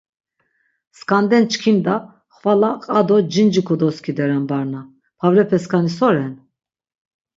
Skanden çkimda xvala qa do cinci kodoskideren barna, pavrepe skani so ren?